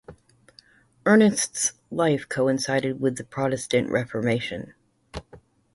Ernest's life coincided with the Protestant Reformation.